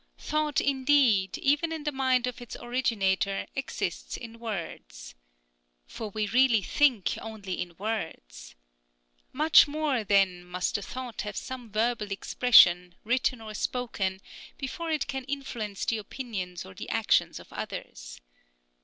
Thought, indeed, even in the mind of its originator, exists in words. For we really think only in words. Much more, then, must the thought have some verbal expression, written or spoken, before it can influence the opinions or the actions of others.